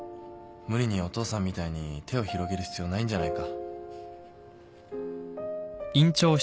無理にお父さんみたいに手を広げる必要ないんじゃないか？